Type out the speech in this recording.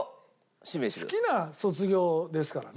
好きな卒業ですからね。